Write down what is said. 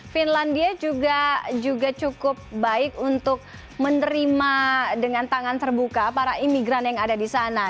finlandia juga cukup baik untuk menerima dengan tangan terbuka para imigran yang ada di sana